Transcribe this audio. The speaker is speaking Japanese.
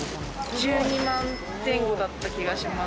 １２万前後だった気がします。